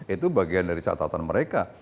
itu bagian dari catatan mereka